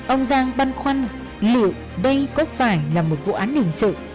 ông giang băn khoăn liệu đây có phải là một vụ án hình sự